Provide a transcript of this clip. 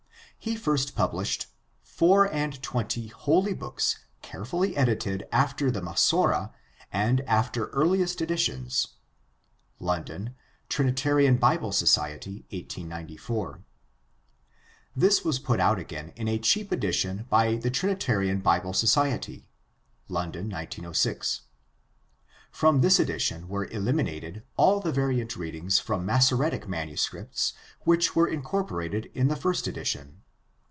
He first published Four and Twenty Holy Books Carefully Edited after the Massorah and after Earliest Editions (London: Trinitarian Bible Society, 1894). This was put out again in a cheap edition by the Trinitarian Bible Society (London, 1906). From this edition were eliminated all the variant readings from Massoretic manuscripts which were incorporated in the first edition.